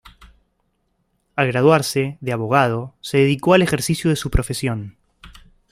Al graduarse de abogado, se dedicó al ejercicio de su profesión.